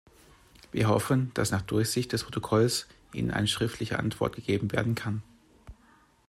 Wir hoffen, dass nach Durchsicht des Protokolls Ihnen eine schriftliche Antwort gegeben werden kann.